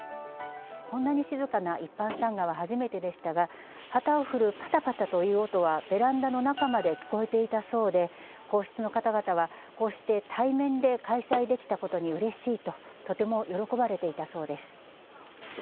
こんなに静かな一般参賀は初めてでしたが、旗を振るぱたぱたという音は、ベランダの中まで聞こえていたそうで、皇室の方々はこうして対面で開催できたことにうれしいと、とても喜ばれていたそうです。